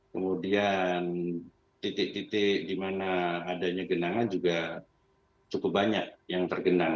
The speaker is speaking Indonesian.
kemudian titik titik di mana adanya genangan juga cukup banyak yang tergenang